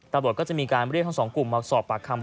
ตำรวจก็จะมีการเรียกทั้งสองกลุ่มมาสอบปากคำ